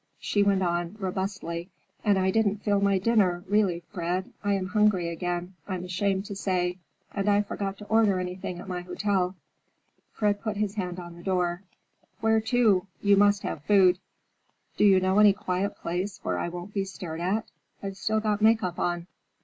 She went on, robustly: "And I didn't feel my dinner, really, Fred. I am hungry again, I'm ashamed to say,—and I forgot to order anything at my hotel." Fred put his hand on the door. "Where to? You must have food." "Do you know any quiet place, where I won't be stared at? I've still got make up on."